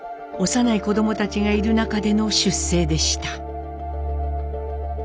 幼い子供たちがいる中での出征でした。